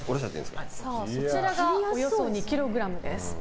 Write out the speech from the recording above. そちらが、およそ２ｋｇです。